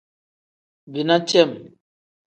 Bina cem.